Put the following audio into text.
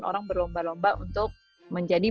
orang berlomba lomba untuk menjadi